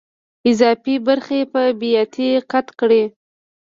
اضافي برخې په بیاتي قطع کړئ.